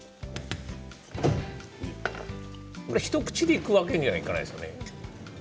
一口でいくわけにはいかないですよね？